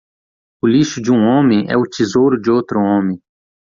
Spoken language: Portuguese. O lixo de um homem é o tesouro de outro homem.